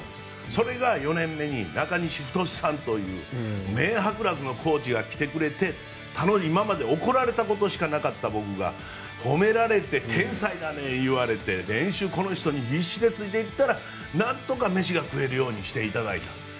それが４年目に中西太さんという名伯楽のコーチが来てくれて今まで怒られたことしかなかった僕が褒められて天才だねって言われて練習この人についていったらなんとか飯が食えるようにしていただいた。